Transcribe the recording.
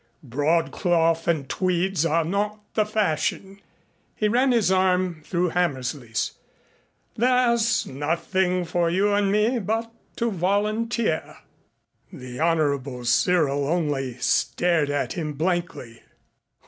Broadcloth and tweeds are not the fashion." He ran his arm through Hammersley's. "There's nothing for you and me but to volunteer." The Honorable Cyril only stared at him blankly.